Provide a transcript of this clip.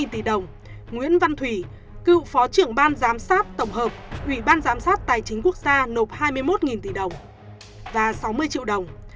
hai tỷ đồng nguyễn văn thủy cựu phó trưởng ban giám sát tổng hợp ủy ban giám sát tài chính quốc gia nộp hai mươi một tỷ đồng và sáu mươi triệu đồng